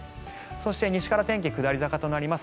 そして西から天気、下り坂となります。